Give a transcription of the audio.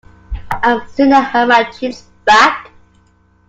I'd sooner have my chips back.